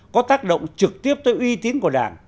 có tác động trực tiếp tới uy tín của đảng